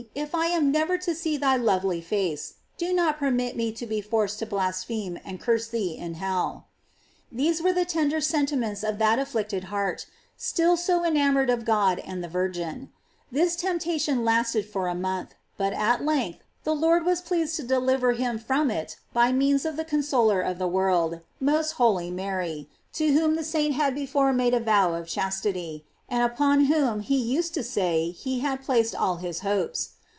if I am never to see thy lovely face, do not permit me to be forced to blaspheme and curse thee in hell." These were the tender sentiments of that afHict ted heart, still so enamored of God and the Vir gin. This temptation lasted for a month, but at length the Lord was pleased to deliver him from it by means of the consolor of the world, most holy Mary, to whom the saint had before made a vow of chastity, and upon whom he used to say he had placed all his hopes.